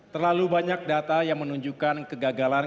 terlalu banyak data yang menunjukkan kegagalan